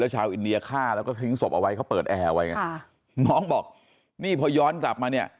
ชาวอินเดียฆ่าแล้วก็ทิ้งศพเอาไว้เขาเปิดแอร์ไว้ไงค่ะน้องบอกนี่พอย้อนกลับมาเนี่ย